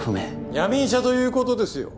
闇医者ということですよ！